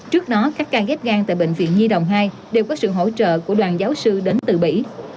trước đó các ca ghép gan tại bệnh viện nhi đồng hai đều có sự hỗ trợ của đoàn giáo sư đến từ mỹ